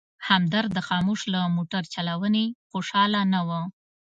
همدرد د خاموش له موټر چلونې خوشحاله نه و.